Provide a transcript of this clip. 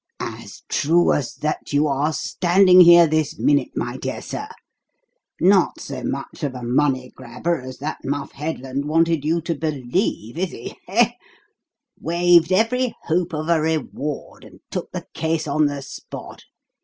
"As true as that you are standing here this minute, my dear sir. Not so much of a money grabber as that muff Headland wanted you to believe, is he eh? Waived every hope of a reward, and took the case on the spot.